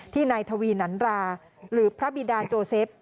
นายทวีนันราหรือพระบิดาโจเซฟ